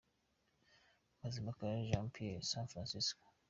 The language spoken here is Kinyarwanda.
Mazimpaka Jean Pierre - San Francisco.